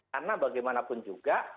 karena bagaimanapun juga